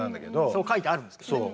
そう書いてあるんですけどね。